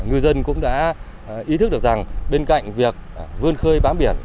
ngư dân cũng đã ý thức được rằng bên cạnh việc vươn khơi bám biển